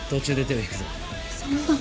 そんな。